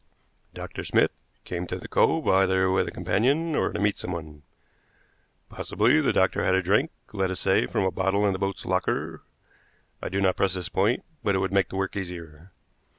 Dr. Smith came to the cove either with a companion or to meet someone. Possibly the doctor had a drink, let us say from a bottle in the boat's locker. I do not press this point, but it would make the work easier.